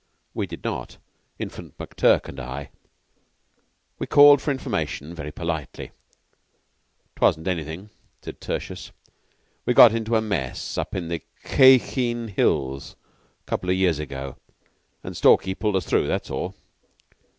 We did not Infant, McTurk, and I; and we called for information very politely. "'Twasn't anything," said Tertius. "We got into a mess up in the Khye Kheen Hills a couple o' years ago, and Stalky pulled us through. That's all."